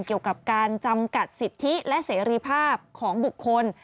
เกี่ยวกับการจำกัดสิทธิและเสรีภาพของบุคคล